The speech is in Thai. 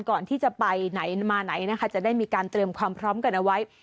ก่อนที่จะไปไหนมาไหนนะคะจะได้มีการเตรียมความพร้อมกันเอาไว้